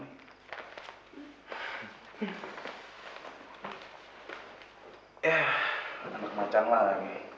ya anak macan lah